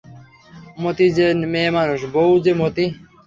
মতি যে মেয়েমানুষ, বৌ যে মতি!